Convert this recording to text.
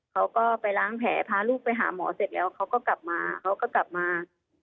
เขาก็ไปล้างแผลพาลูกไปหาหมอเสร็จแล้วเขาก็กลับมาเขาก็กลับมา